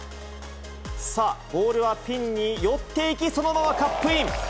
さあ、ボールはピンに寄っていき、そのままカップイン。